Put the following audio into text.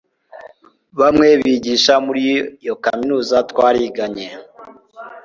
Bamwe bigisha muri iyo kaminuza twariganye